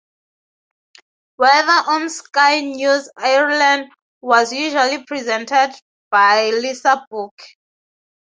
Weather on Sky News Ireland was usually presented by Lisa Burke.